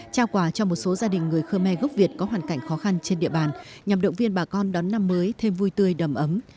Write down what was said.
trao quà cho một số gia đình người khơ me gốc việt có hoàn cảnh khó khăn trên địa bàn nhằm động viên bà con đón năm mới thêm vui tươi đầm ấm